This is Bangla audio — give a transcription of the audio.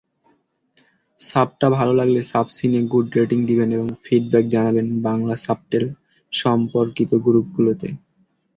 সাবটা ভালো লাগলে সাবসিনে গুড রেটিং দিবেন এবং ফিডব্যাক জানাবেন বাংলা সাবটেল সম্পর্কিত গ্রুপগুলোতে।